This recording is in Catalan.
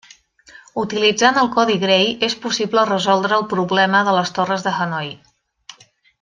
Utilitzant el codi Gray és possible resoldre el problema de les Torres de Hanoi.